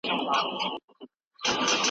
لومړني پړاو کې ناروغان پنځه کاله اوږد ژوند لري.